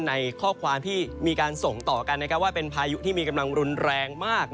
ในข้อความที่มีการส่งต่อกันว่าเป็นพายุที่มีกำลังรุนแรงมาก